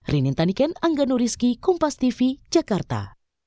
rinintaniken angga nuriski kumpas tv jakarta